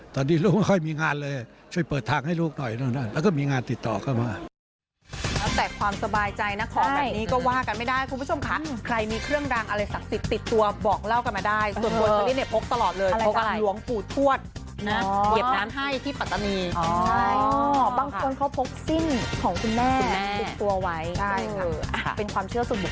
ตอนนี้ลูกไม่ค่อยมีงานเลยช่วยเปิดทางให้ลูกหน่อยนู่นนั่นแล้วก็มีงานติดต่อเข้ามา